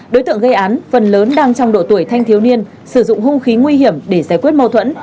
đối tượng gây án phần lớn đang trong độ tuổi thanh thiếu niên sử dụng hung khí nguy hiểm để giải quyết mâu thuẫn